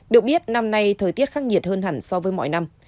được biết năm nay thời tiết khắc nghiệt hơn hẳn so với mọi năm